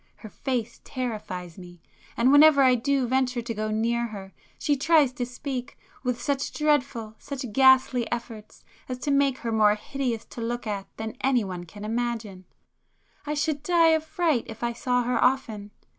Her face terrifies me; and whenever I do venture to go near her, she tries to speak, with such dreadful, such ghastly efforts, as make her more hideous to look at than anyone can imagine. I should die of fright if I saw her often.